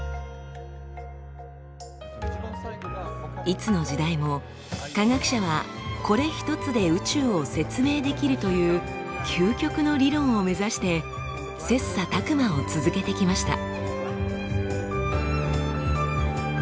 いつの時代も科学者はこれ一つで宇宙を説明できるという究極の理論を目指して切磋琢磨を続けてきました。